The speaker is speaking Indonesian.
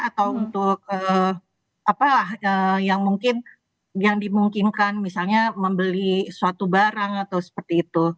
atau untuk apalah yang mungkin yang dimungkinkan misalnya membeli suatu barang atau seperti itu